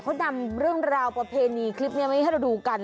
เขานำเรื่องราวประเพณีคลิปนี้มาให้เราดูกัน